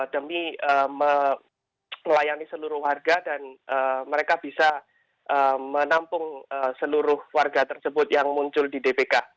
demi melayani seluruh warga dan mereka bisa menampung seluruh warga tersebut yang muncul di dpk